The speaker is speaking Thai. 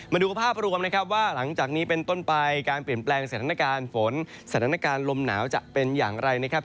มาดูภาพรวมนะครับว่าหลังจากนี้เป็นต้นไปการเปลี่ยนแปลงสถานการณ์ฝนสถานการณ์ลมหนาวจะเป็นอย่างไรนะครับ